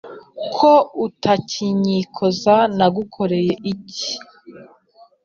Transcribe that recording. ko utakinyikoza nagukoreye iki?"